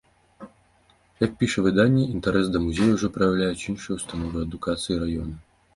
Як піша выданне, інтарэс да музею ўжо праяўляюць іншыя ўстановы адукацыі раёна.